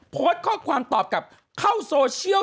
โพสต์ข้อความตอบกลับเข้าโซเชียล